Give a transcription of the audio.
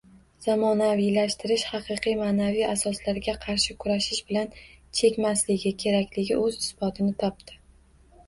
Zamonaviylashtirish haqiqiy ma’naviy asoslarga qarshi kurashish bilan kechmasligi kerakligi o‘z isbotini topdi.